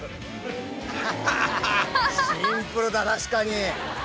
確かに。